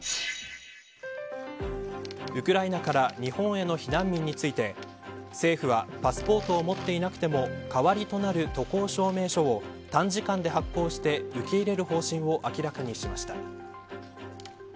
ウクライナから日本への避難民について政府はパスポートを持っていなくても代わりとなる渡航証明書を短時間で発行して受け入れる方針を明らかにしました。